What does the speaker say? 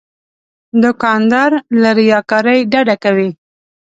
دوکاندار له ریاکارۍ ډډه کوي.